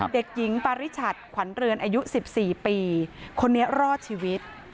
เด็กหญิงปาริชัดขวัญเรือนอายุ๑๔ปีคนนี้รอดชีวิต